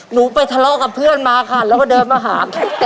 หนูไปทะเลาะกับเพื่อนมาค่ะแล้วก็เดินมาหา